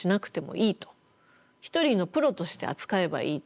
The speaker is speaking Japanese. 一人のプロとして扱えばいいと。